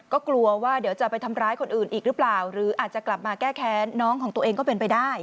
ก็กลัวว่าเดี๋ยวจะไปทำร้ายคนอื่นอีกหรือเปล่าหรืออาจจะกลับมาแก้แค้นน้องของตัวเองก็เป็นไปได้